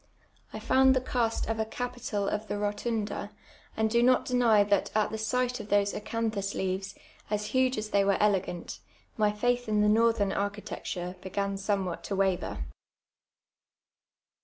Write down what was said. I found the cast of a capital of the Rotunda, and do not deny that at the sight of those acanthus leaves, as huge as they were elegant, my fiiith in the northern architecture began somewhat to waver.